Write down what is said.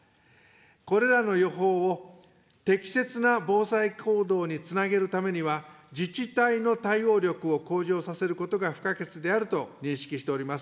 これらの予報を適切な防災行動につなげるためには、自治体の対応力を向上させることが不可欠であると認識しております。